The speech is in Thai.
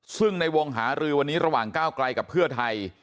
ซึ่งในวงหารือวันนี้ระหว่างก้าวไกลกับเพื่อไทย